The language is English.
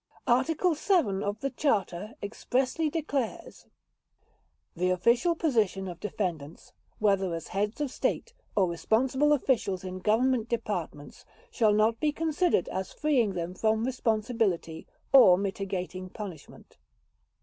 Article 7 of the Charter expressly declares: "The official position of Defendants, whether as heads of State, or responsible officials in Government departments, shall not be considered as freeing them from responsibility, or mitigating punishment."